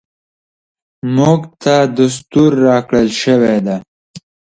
موږ ته دستور راکړل شوی دی .